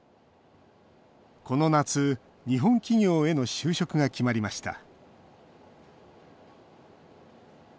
この夏、日本企業への就職が決まりました。